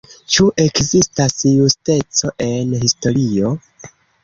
Ĉu ekzistas justeco en historio?